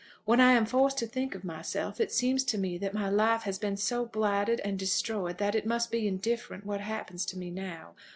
When I am forced to think of myself, it seems to me that my life has been so blighted and destroyed that it must be indifferent what happens to me now.